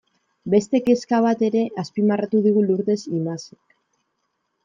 Beste kezka bat ere azpimarratu digu Lurdes Imazek.